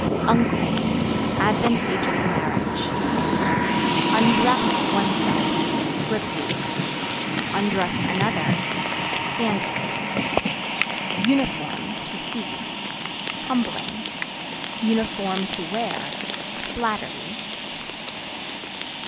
Uncle Advantageous marriage. Undress (One's self) rebuke; (another) scandal. Uniform (To see) humbling; (to wear) flattery.